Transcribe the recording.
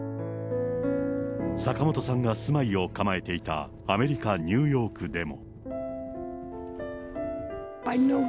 坂本さんが住まいを構えていた、アメリカ・ニューヨークでも。